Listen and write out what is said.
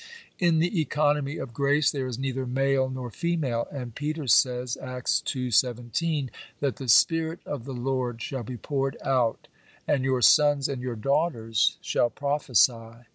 In the economy of grace there is neither male nor female; and Peter says (Acts ii. 17) that the Spirit of the Lord shall be poured out, and your sons and your daughters shall prophesy.